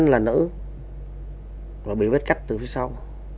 nạn nhân là nữ và bị vết cắt từ phía sau